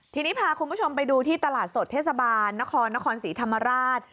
ทีนี้พาคุณผู้ชมไปดูที่ตลาดสดเทศบาลนครนครศรีธรรมราช